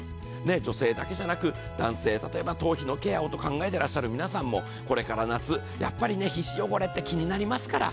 女性だけじゃなく、男性、例えば頭皮のケアを考えている皆さんも、これからの季節、皮脂汚れって気になりますから。